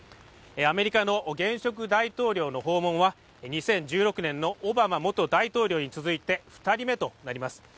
アメリカの現職大統領の訪問は２０１６年のオバマ元大統領に続いて２人目となります。